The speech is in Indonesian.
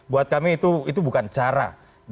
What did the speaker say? buat kami itu bukan cara